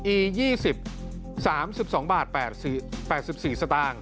อี๒๐๓๒บาท๘๔สต